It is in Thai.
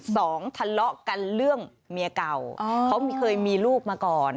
ทะเลาะกันเรื่องเมียเก่าเขาเคยมีลูกมาก่อน